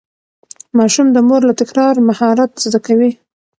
ماشوم د مور له تکرار مهارت زده کوي.